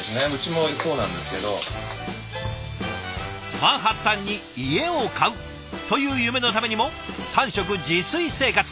マンハッタンに家を買うという夢のためにも３食自炊生活。